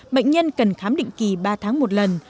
bệnh nhân cần khám định kỳ ba tháng một lần